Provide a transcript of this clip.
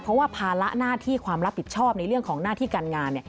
เพราะว่าภาระหน้าที่ความรับผิดชอบในเรื่องของหน้าที่การงาน